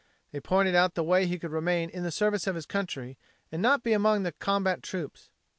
They pointed out the way he could remain in the service of his country and not be among the combat troops.